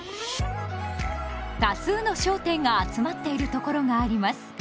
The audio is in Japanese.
多数の商店が集まっているところがあります。